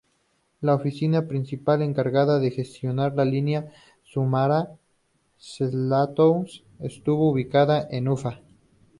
La oficina principal encargada de gestionar la línea Samara-Zlatoust estuvo ubicada en Ufá.